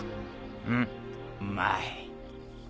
うんうまい。